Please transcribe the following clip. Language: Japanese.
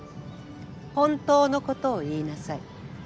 本当のことを言いなさい。